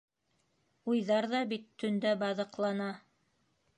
Уйҙар ҙа бит төндә баҙыҡлана.